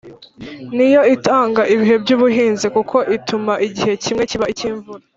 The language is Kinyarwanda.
ni yo itanga ibihe by'ubuhinzi kuko ituma igihe kimwe kiba ik'imvura